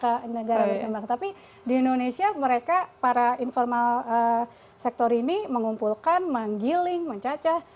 ke china dan mungkin biar ke negara lain tapi di indonesia mereka para informal sektor ini mengumpulkan menggiling mencacah